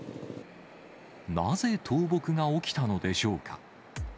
なぜ倒木が起きたのでしょうか。